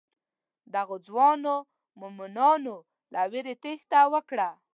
دغو ځوانو مومنانو له وېرې تېښته وکړه.